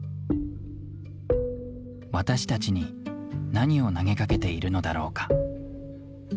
私たちに何を投げかけているのだろうか？